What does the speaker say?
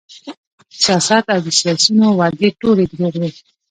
سیاست او د سیاسیونو وعدې ټولې دروغ وې